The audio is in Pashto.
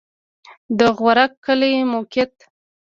د غورک کلی موقعیت